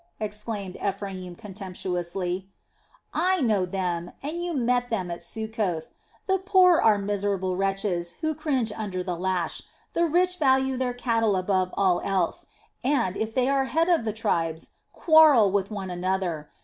exclaimed Ephraim, contemptuously. "I know them, and you met them at Succoth. The poor are miserable wretches who cringe under the lash; the rich value their cattle above all else and, if they are the heads of the tribes, quarrel with one another.